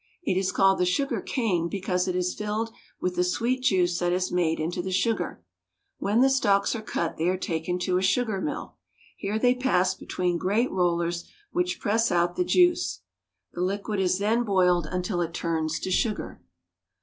It is called the sugar cane because it is filled with the sweet juice that is made into the sugar. When the stalks are cut they are taken to a sugar mill. Here they pass between great rollers which press out the juice. The liquid is then boiled until it turns to sugar.